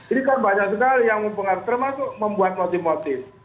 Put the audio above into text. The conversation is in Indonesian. ini kan banyak sekali yang mempengaruhi termasuk membuat motif motif